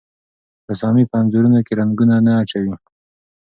رسامي په انځورونو کې رنګونه نه اچوي.